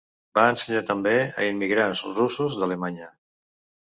Va ensenyar també a immigrants russos d'Alemanya.